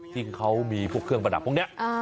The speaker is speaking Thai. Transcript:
ที่เขามีพวกเครื่องประดับพวกนี้